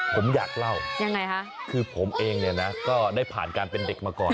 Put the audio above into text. ผมอยากเล่ายังไงคะคือผมเองเนี่ยนะก็ได้ผ่านการเป็นเด็กมาก่อน